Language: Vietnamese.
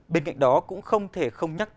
bên cạnh đó cũng không thể không được đánh giá